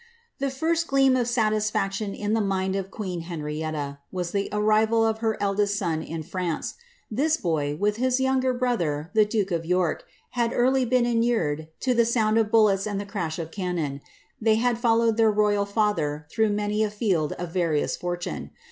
The first gleam of satisfaction to the mind of queen Henrietta, was the vrival of her eldest son in France. This boy, with his young brother, the duke of York, had early been inured to the sound of bullets and the oish of cannon ; they had followed their royal father through many a field of various fortune.